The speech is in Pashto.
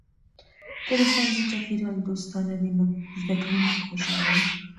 که د ښوونځي چاپیریال دوستانه وي، نو زده کونکي خوشحاله وي.